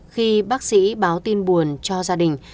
khi bác sĩ báo tin buồn cho gia đình